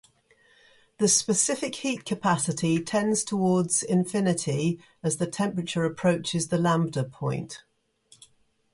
The specific heat capacity tends towards infinity as the temperature approaches the lambda point.